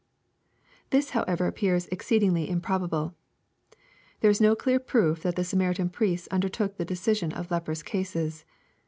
This however appears exceedingly improbable. There is no clear proof that the Samaritan priests undertook the decision of leprous cases.